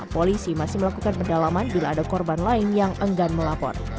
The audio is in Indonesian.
polisi masih melakukan pendalaman bila ada korban lain yang enggan melapor